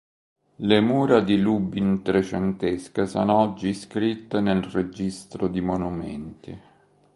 Le mura di Lubin trecentesche sono oggi iscritte nel registro di monumenti.